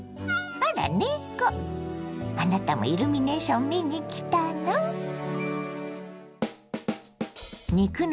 あなたもイルミネーション見に来たの？